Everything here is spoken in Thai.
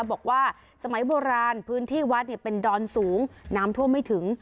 บอกว่าสมัยโบราณพื้นที่วัดเป็นดอนสูงน้ำท่วมไม่ถึง